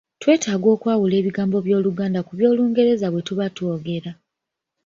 Twetaaga okwawula ebigambo by’Oluganda ku by'Olungereza bwetuba twogera.